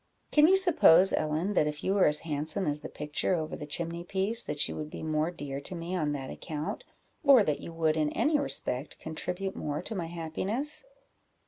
Can you suppose, Ellen, that if you were as handsome as the picture over the chimney piece, that you would be more dear to me on that account, or that you would, in any respect, contribute more to my happiness?"